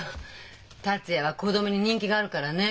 達也は子供に人気があるからね。